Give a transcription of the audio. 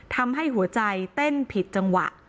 ทำให้หัวใจเต้นผิดจังหวะ